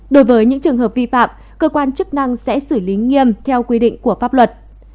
đối với những trường hợp vi phạm cơ quan chức năng sẽ xử lý nghiêm theo quy định của pháp luật